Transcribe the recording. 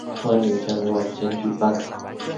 婚礼将于晚间举办。